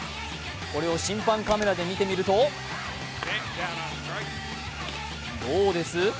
これを審判カメラで見てみるとどうです？